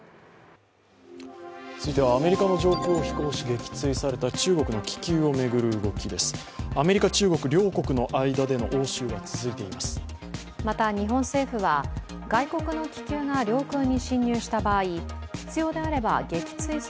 続いてはアメリカの上空を飛行し撃墜された中国の気球の話題です。